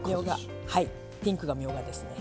ピンクがみょうがですね。